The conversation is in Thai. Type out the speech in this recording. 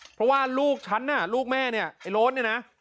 เพราะว่าลูกฉันน่ะลูกแม่เนี่ยไอ้โล้นเนี่ยนะ